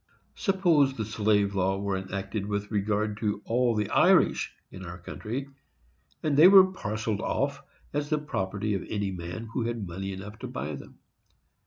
Suppose the slave law were enacted with regard to all the Irish in our country, and they were parcelled off as the property of any man who had money enough to buy them.